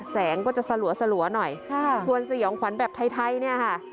แสงก็จะสะหรัวสะหรัวหน่อยค่ะถ้วนสี่องค์ขวัญแบบไทยไทยเนี่ยค่ะ